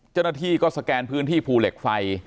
เจ้าหน้าที่ก็สแกนพื้นที่ภูเหล็กไฟ